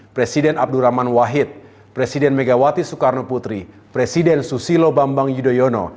presiden abdurrahman wahid presiden megawati soekarno putri presiden susilo bambang yudhoyono